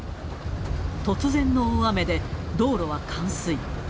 突然の大雨で、道路は冠水。